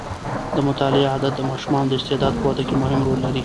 د مطالعې عادت د ماشومانو د استعداد په وده کې مهم رول لري.